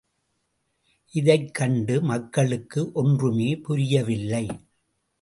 இதைக் கண்டு மக்களுக்கு ஒன்றுமே புரிய வில்லை.